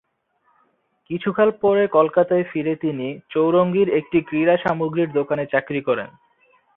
কিছুকাল পরে কলকাতায় ফিরে তিনি চৌরঙ্গীর একটি ক্রীড়া সামগ্রীর দোকানে চাকরি করেন।